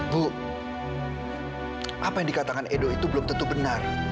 bu apa yang dikatakan edo itu belum tentu benar